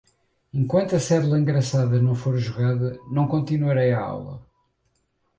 Enquanto a cédula engraçada não for jogada, não continuarei a aula.